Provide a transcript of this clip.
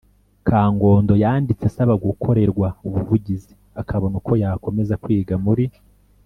Kangondo Yanditse asaba gukorerwa ubuvugizi akabona uko yakomeza kwiga muri